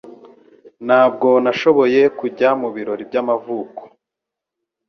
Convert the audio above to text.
Ntabwo nashoboye kujya mubirori by'amavuko